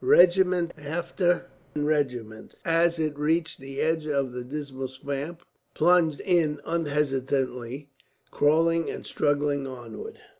Regiment after regiment, as it reached the edge of the dismal swamp, plunged in unhesitatingly, crawling and struggling onward.